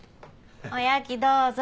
おやきどうぞ。